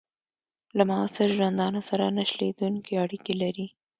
له معاصر ژوندانه سره نه شلېدونکي اړیکي لري.